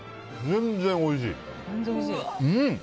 全然おいしい！